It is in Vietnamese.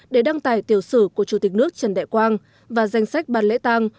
để đăng tải tiểu sử của chủ tịch nước trần đại quang và danh sách ban lễ tang